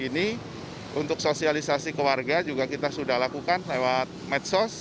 ini untuk sosialisasi ke warga juga kita sudah lakukan lewat medsos